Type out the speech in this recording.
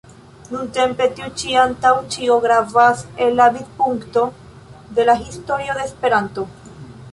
Nuntempe tiu ĉi antaŭ ĉio gravas el la vidpunkto de la historio de Esperanto.